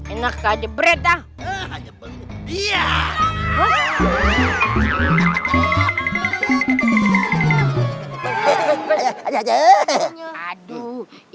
enak kak ada berat dah